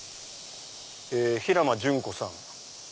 平間淳子さん。